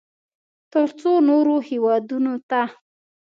ترڅو نورو هېوادونو ته